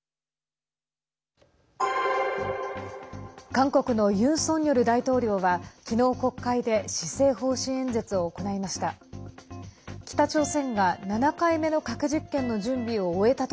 韓国のユン・ソンニョル大統領は昨日、国会で施政方針演説を行いました。